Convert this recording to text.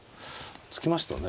突きましたよね。